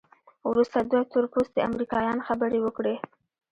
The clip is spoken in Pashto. وروسته دوه تورپوستي امریکایان خبرې وکړې.